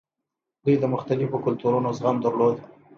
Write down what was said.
دوی د مختلفو کلتورونو زغم درلود